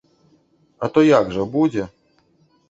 А то як жа, будзе.